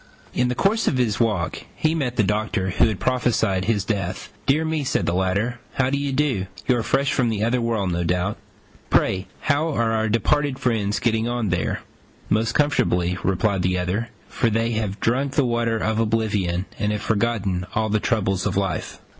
In the course of his walk he met the Doctor who had prophesied his death. "Dear me," said the latter, "how do you do? You are fresh from the other world, no doubt. Pray, how are our departed friends getting on there?" "Most comfortably," replied the other, "for they have drunk the water of oblivion, and have forgotten all the troubles of life.